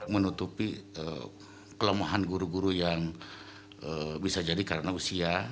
menutupi kelemahan guru guru yang bisa jadi karena usia